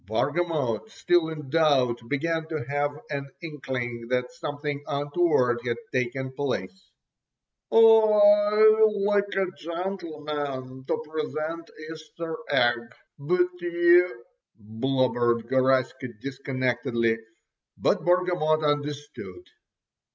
Bargamot, still in doubt, began to have an inkling that something untoward had taken place. "I——like a gentleman——to present——Easter egg——but you——" blubbered Garaska disconnectedly; but Bargamot understood.